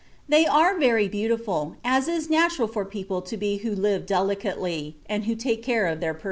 And they are very beautiful, as is natural for people to be who live delicately, and who take care of their persons."